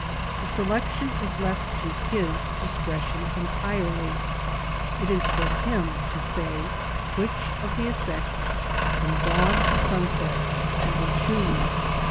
The selection is left to his discretion entirely ; it is for him to say which of the effects from dawn to sunset he will choose.